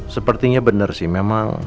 sepertinya bener sih memang